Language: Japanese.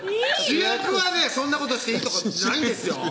主役はねそんなことしていいとかないんですよ